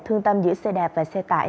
thương tâm giữa xe đạp và xe tải